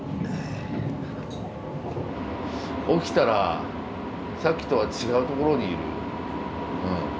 起きたらさっきとは違う所にいる。